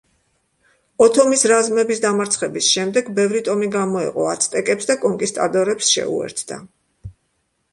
ოთომის რაზმების დამარცხების შემდეგ, ბევრი ტომი გამოეყო აცტეკებს და კონკისტადორებს შეუერთდა.